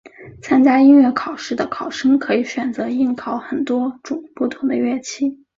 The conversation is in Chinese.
参加音乐考试的考生可以选择应考很多种不同的乐器。